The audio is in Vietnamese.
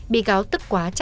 bị cáo tức quá trách mất